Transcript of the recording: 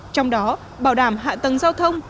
trong đó bảo đảm hạ tầng giao thông